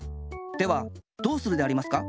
ではどうするでありますか？